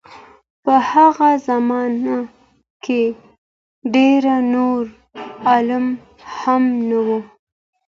په هغه زمانه کې ډېر نور علوم هم نه وو.